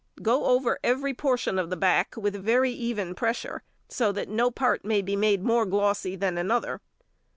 Go over every portion of the back with very even pressure, so that no part may be made more glossy than another.